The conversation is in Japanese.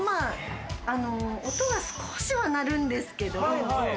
音は少しはなるんですけど。